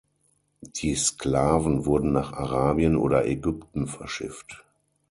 Die Sklaven wurden nach Arabien oder Ägypten verschifft.